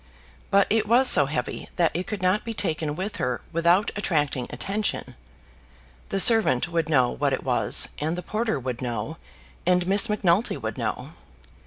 But it was so heavy that it could not be taken with her without attracting attention. The servant would know what it was, and the porter would know, and Miss Macnulty would know.